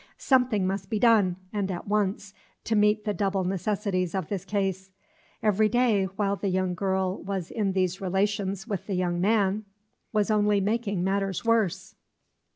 Something must be done, and at once, to meet the double necessities of this case. Every day, while the young girl was in these relations with the young man, was only making matters worse.